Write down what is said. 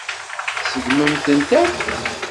Tseggmemt-tent akk.